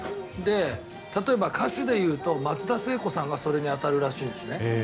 例えば歌手でいうと松田聖子さんがそれに当たるらしいんですね。